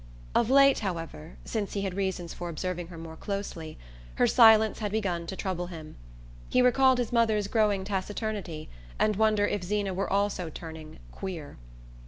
Of late, however, since he had reasons for observing her more closely, her silence had begun to trouble him. He recalled his mother's growing taciturnity, and wondered if Zeena were also turning "queer."